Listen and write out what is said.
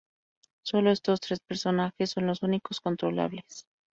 Solo estos tres personajes son los únicos controlables.